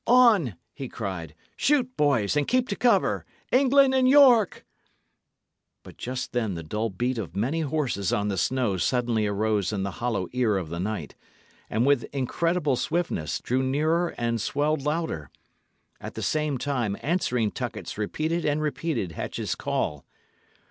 "On!" he cried. "Shoot, boys, and keep to cover. England and York!" But just then the dull beat of many horses on the snow suddenly arose in the hollow ear of the night, and, with incredible swiftness, drew nearer and swelled louder. At the same time, answering tuckets repeated and repeated Hatch's call.